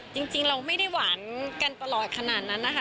จริงเราไม่ได้หวานกันตลอดขนาดนั้นนะคะ